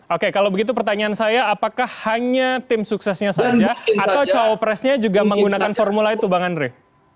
oke kalau begitu pertanyaan saya apakah hanya tim suksesnya saja atau cowok presnya juga menggunakan formula itu bang andre